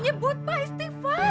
nyebut pak istighfar